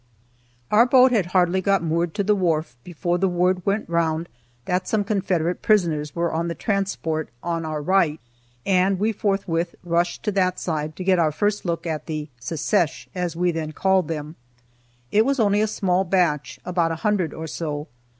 Our boat had hardly got moored to the wharf before the word went round that some Confederate prisoners were on the transport on our right, and we forthwith rushed to that side to get our first look at the "Secesh," as we then called them. It was only a small batch, about a hundred or so.